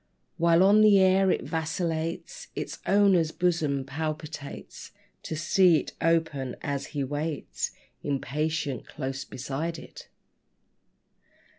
While on the air it vacillates, Its owner's bosom palpitates To see it open, as he waits Impatient close beside it.